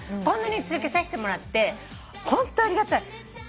こんなに続けさせてもらってホントありがたい。